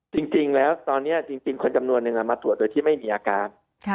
จริงแล้วตอนนี้จริงคนจำนวนนึงมาตรวจโดยที่ไม่มีอาการ